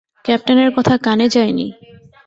ক্যাপ্টেনের কথা কানে যায়নি!